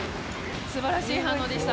すばらしい反応でした。